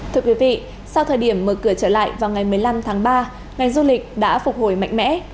thưa quý vị sau thời điểm mở cửa trở lại vào ngày một mươi năm tháng ba ngành du lịch đã phục hồi mạnh mẽ